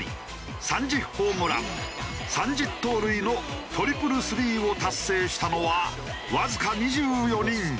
ホームラン３０盗塁のトリプルスリーを達成したのはわずか２４人。